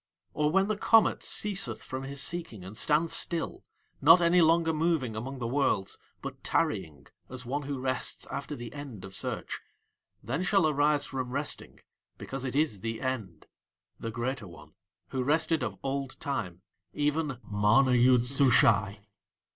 Or when the comet ceaseth from his seeking and stands still, not any longer moving among the Worlds but tarrying as one who rests after the end of search, then shall arise from resting, because it is THE END, the Greater One, who rested of old time, even MANA YOOD SUSHAI.